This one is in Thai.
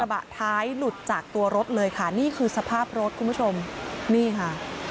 บะท้ายหลุดจากตัวรถเลยค่ะนี่คือสภาพรถคุณผู้ชมนี่ค่ะ